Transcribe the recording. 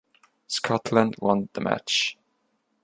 Scotland won the match.